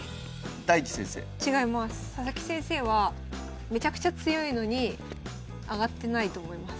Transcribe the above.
佐々木先生はめちゃくちゃ強いのに上がってないと思います。